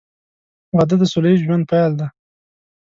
• واده د سوله ییز ژوند پیل دی.